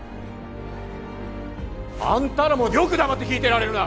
あんたらもよく黙って聞いてられるな！